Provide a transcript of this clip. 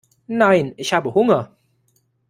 Nein, ich habe Hunger.